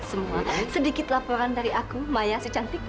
semua sedikit laporan dari aku maya si cantik